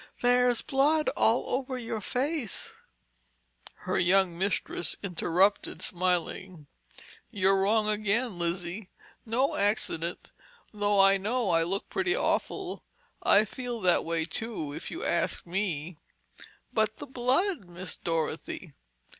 There's blood all over your face—" Her young mistress interrupted, smiling: "You're wrong again, Lizzie. No accident, though I know I look pretty awful. I feel that way, too, if you ask me—" "But the blood, Miss Dorothy?"